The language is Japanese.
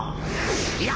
いや！